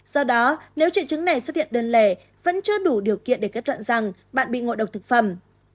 do đó nếu triệu chứng này xuất hiện đơn lẻ vẫn chưa đủ điều kiện để kết luận rằng bạn bị ngộ độc thực phẩm